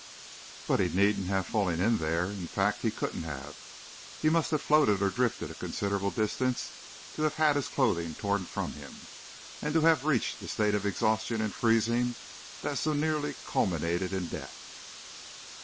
"But he needn't have fallen in there! In fact, he couldn't have, he must have floated or drifted a considerable distance to have had his clothing torn from him and to have reached the state of exhaustion and freezing that so nearly culminated in death."